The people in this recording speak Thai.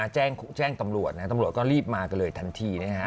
แจ้งตำรวจตำรวจก็รีบมากันเลยทันทีนะฮะ